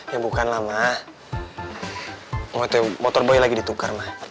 ya bukanlah ma waktu itu motor boy lagi ditukar ma